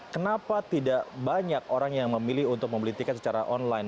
kenapa tidak banyak orang yang memilih untuk membeli tiket secara online